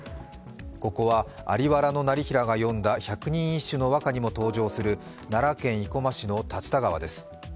ここは在原業平が詠んだ百人一首の和歌にも登場する奈良県生駒市の竜田川です。